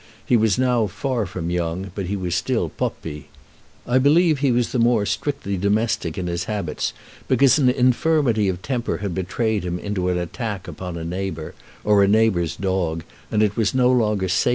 He was now far from young, but he was still Poppi. I believe he was the more strictly domestic in his habits because an infirmity of temper had betrayed him into an attack upon a neighbor, or a neighbor's dog, and it was no longer safe for him to live much out of doors.